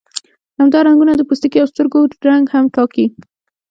همدا رنګونه د پوستکي او سترګو رنګ هم ټاکي.